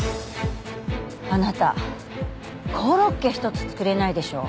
あなたコロッケ一つ作れないでしょ？